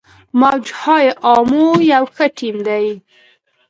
موج های امو یو ښه ټیم دی.